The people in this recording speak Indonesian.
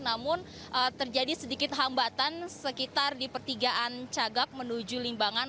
namun terjadi sedikit hambatan sekitar di pertigaan cagak menuju limbangan